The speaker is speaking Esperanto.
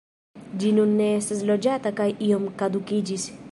Ĝi nun ne estas loĝata kaj iom kadukiĝis.